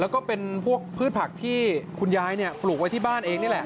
แล้วก็เป็นพวกพืชผักที่คุณยายปลูกไว้ที่บ้านเองนี่แหละ